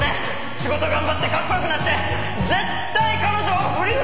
仕事頑張ってかっこよくなって絶対彼女を振り向かしてやります！